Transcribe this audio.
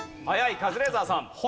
カズレーザーさん。